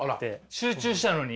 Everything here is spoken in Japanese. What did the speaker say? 集中したのに？